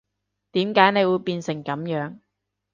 點解你會變成噉樣